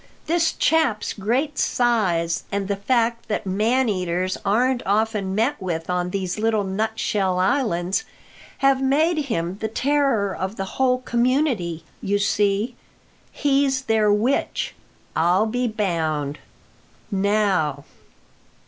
This chap's great size, and the fact that man eaters aren't often met with on these little nutshell islands, have made him the terror of the whole community, you see. He's their witch, I'll be bound. Now."